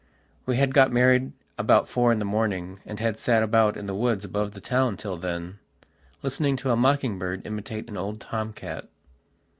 We had got married about four in the morning and had sat about in the woods above the town till then, listening to a mocking bird imitate an old tom cat.